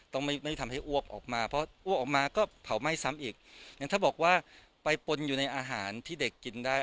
ต้องไม่ไม่ทำให้อ้วกออกมาเพราะอ้วกออกมาก็เผาไหม้ซ้ำอีกอย่างถ้าบอกว่าไปปนอยู่ในอาหารที่เด็กกินได้